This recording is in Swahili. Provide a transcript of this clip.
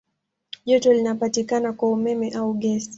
Joto linapatikana kwa umeme au gesi.